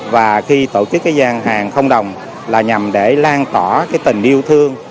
và khi tổ chức cái gian hàng không đồng là nhằm để lan tỏa cái tình yêu thương